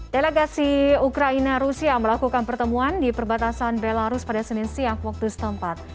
delegasi ukraina rusia melakukan pertemuan di perbatasan belarus pada senin siang waktu setempat